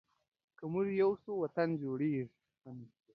که مونږ یو شو، وطن جوړیږي.